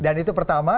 dan itu pertama